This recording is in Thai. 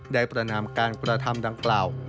ประนามการกระทำดังกล่าว